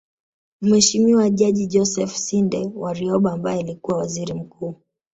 Mheshimiwa Jaji Joseph Sinde Warioba ambaye alikuwa Waziri Mkuu